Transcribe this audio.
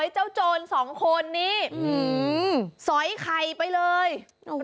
เจ้าจนสองคนนี้อืมสอยไข่ไปเลยโอ้โห